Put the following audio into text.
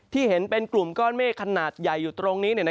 เห็นเป็นกลุ่มก้อนเมฆขนาดใหญ่อยู่ตรงนี้